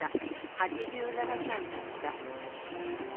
８７歳だった。